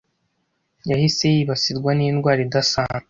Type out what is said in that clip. Yahise yibasirwa n'indwara idasanzwe.